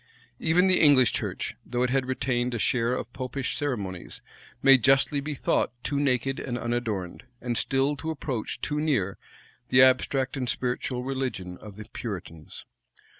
Even the English church, though it had retained a share of Popish ceremonies, may justly be thought too naked and unadorned, and still to approach too near the abstract and spiritual religion of the Puritans.